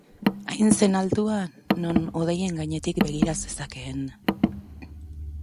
Hain zen altua, non hodeien gainetik begira zezakeen.